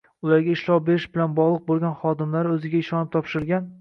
ularga ishlov berish bilan bog‘liq bo‘lgan xodimlari o‘ziga ishonib topshirilgan